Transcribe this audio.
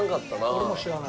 俺も知らない。